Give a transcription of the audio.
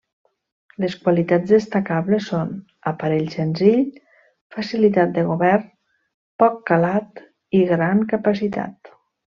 Les qualitats destacables són: aparell senzill, facilitat de govern, poc calat i gran capacitat.